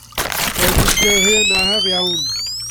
Roedd hi'n gyrru yn araf iawn.